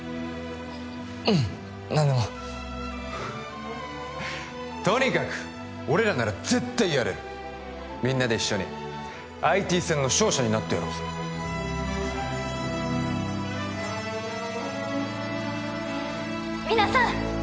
ううん何でもとにかく俺らなら絶対やれるみんなで一緒にＩＴ戦の勝者になってやろうぜ皆さん